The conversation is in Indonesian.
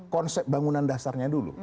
konsep bangunan dasarnya dulu